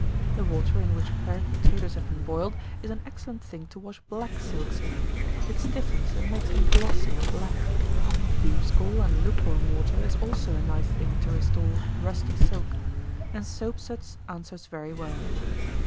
The water in which pared potatoes have been boiled, is an excellent thing to wash black silks in it stiffens, and makes them glossy and black. Beef's gall and lukewarm water is also a nice thing to restore rusty silk, and soap suds answers very well.